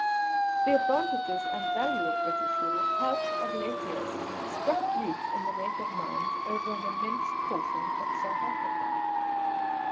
The advantages and value of British rule have of late years struck root in the native mind over an immense portion of South Africa.